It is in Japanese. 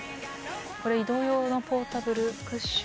これ移動用のポータブルクッション。